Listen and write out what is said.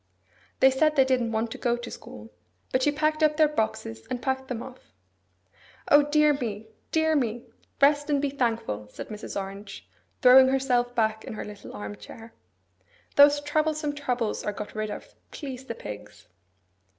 They said they didn't want to go to school; but she packed up their boxes, and packed them off. 'O dear me, dear me! Rest and be thankful!' said Mrs. Orange, throwing herself back in her little arm chair. 'Those troublesome troubles are got rid of, please the pigs!